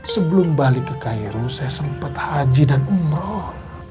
sebelum balik ke cairo saya sempat haji dan umroh